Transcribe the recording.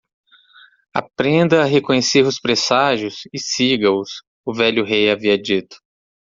"Aprenda a reconhecer os presságios? e siga-os?", o velho rei havia dito.